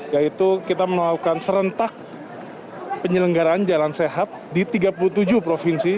yaitu kita melakukan serentak penyelenggaraan jalan sehat di tiga puluh tujuh provinsi